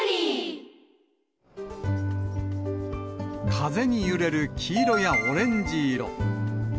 風に揺れる黄色やオレンジ色。